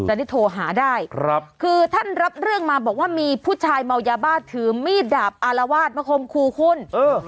ได้โทรหาได้ครับคือท่านรับเรื่องมาบอกว่ามีผู้ชายเมายาบ้าถือมีดดาบอารวาสมาคมคู่คุณเออ